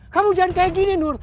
kamu jangan kayak gini nur